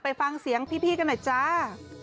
ไปฟังเสียงพี่กันหน่อยจ้า